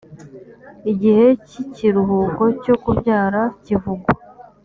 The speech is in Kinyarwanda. igihe cy ikiruhuko cyo kubyara kivugwa